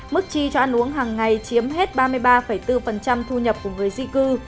mức chi cho ăn uống hàng ngày chiếm hết ba mươi ba bốn thu nhập của người di cư